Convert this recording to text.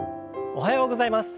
おはようございます。